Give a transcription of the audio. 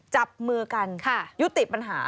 จับมือกันยุติปัญหา